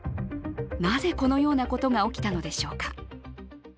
なぜこのようなことが起きたのでしょうか。